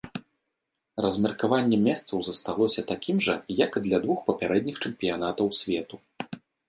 Размеркаванне месцаў засталося такім жа, як і для двух папярэдніх чэмпіянатаў свету.